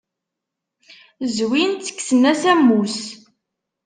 Zwin-tt, kksen-as ammus.